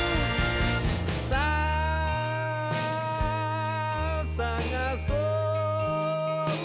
「さあさがそう」